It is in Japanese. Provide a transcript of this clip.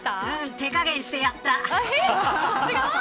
手加減してやった。